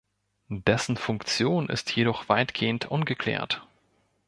Dessen Funktion ist jedoch weitgehend ungeklärt.